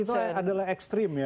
itu adalah ekstrim ya